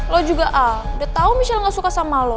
lo juga ah udah tau misalnya gak suka sama lo